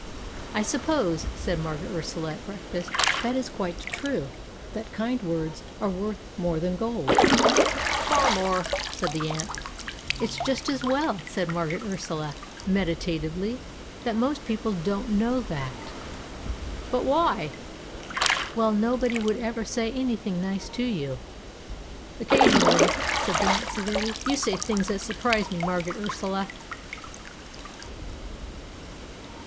"I suppose," said Margaret Ursula at breakfast, "that it is quite true that kind words are worth more than gold." "Far more," said the Aunt. "It's just as well," said Margaret Ursula medita tively, "that most people don't know that." "But why?" "Well, nobody would ever say anything nice to you." "Occasionally," said the Aunt severely, "you say things that surprise me, Margaret Ursula."